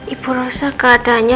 ibu rosa keadaannya